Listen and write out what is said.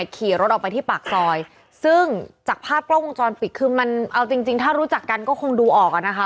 ขี่รถออกไปที่ปากซอยซึ่งจากภาพกล้องวงจรปิดคือมันเอาจริงจริงถ้ารู้จักกันก็คงดูออกอ่ะนะคะ